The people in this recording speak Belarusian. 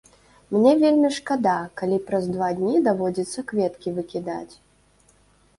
Мне вельмі шкада, калі праз два дні даводзіцца кветкі выкідаць.